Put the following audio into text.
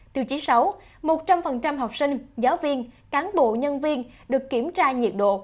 tiêu chí sáu một trăm linh học sinh giáo viên cán bộ nhân viên được kiểm tra nhiệt độ